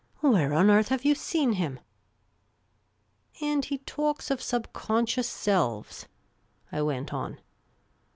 Where on earth have you seen him ?''" And he talks of sub conscious selves ?" I went on.